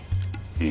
ええ。